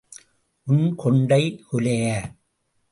உன் கொண்டை குலைய.